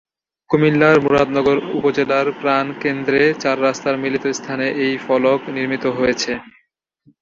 কুমিল্লার মুরাদনগর উপজেলার প্রাণকেন্দ্রে চার রাস্তার মিলিত স্থানে এই ফলক নির্মিত হয়েছে।